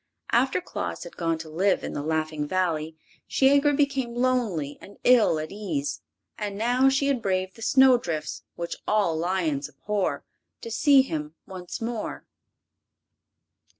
After Claus had gone to live in the Laughing Valley Shiegra became lonely and ill at ease, and now she had braved the snow drifts, which all lions abhor, to see him once more.